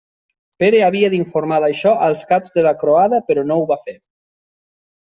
Pere havia d'informar d'això als caps de la croada però no ho va fer.